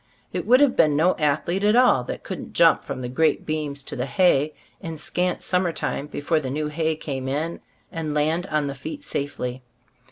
It would have been no athlete at all that couldn't jump from the great beams to the hay, in scant summer time be fore the new hay came in, and land on the feet safely.